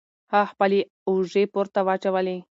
هغه خپلې اوژې پورته واچولې.